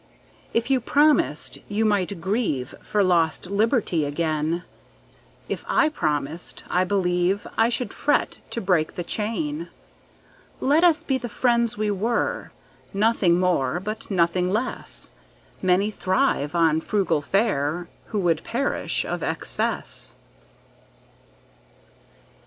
If you promised, you might grieveFor lost liberty again:If I promised, I believeI should fret to break the chain. Let us be the friends we were, Nothing more but nothing less:Many thrive on frugal fareWho would perish of excess.